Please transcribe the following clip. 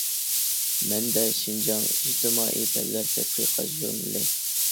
مەنبە: «شىنجاڭ ئىجتىمائىي پەنلەر تەتقىقاتى» ژۇرنىلى.